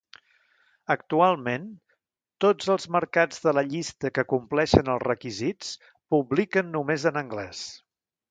Actualment, tots els mercats de la llista que compleixen els requisits publiquen només en anglès.